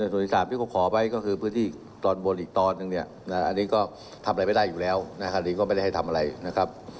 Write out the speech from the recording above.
ส่วนอีก๓ที่เขาขอไว้ก็คือพื้นที่ตอนบนอีกตอนหนึ่งเนี่ยอันนี้ก็ทำอะไรไม่ได้อยู่แล้วนะครับอันนี้ก็ไม่ได้ให้ทำอะไรนะครับ